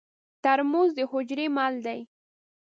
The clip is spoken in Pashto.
ترموز د حجرې مل دی.